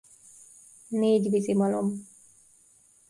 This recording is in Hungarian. Négy vizimalom.